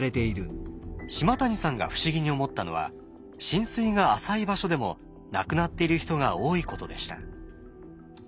島谷さんが不思議に思ったのは浸水が浅い場所でも亡くなっている人が多いことでした。